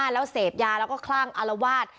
แล้วเสพยาแล้วก็คลั่งอารวาส